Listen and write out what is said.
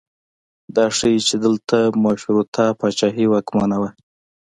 دا ښیي چې دلته مشروطه پاچاهي واکمنه وه.